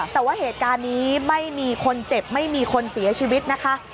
แต่ว่าเหตุการณ์นี้ไม่มีคนเจ็บไม่มีคนเสียชีวิตนะคะ